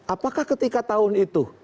apakah ketika tahun itu